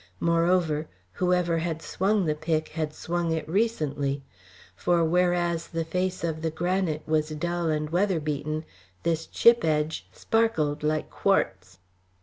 Moreover, whoever had swung the pick had swung it recently. For whereas the face of the granite was dull and weatherbeaten, this chipped edge sparkled like quartz.